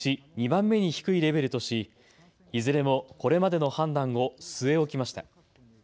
４段階のうち２番目に低いレベルとしいずれもこれまでの判断を据え置きました。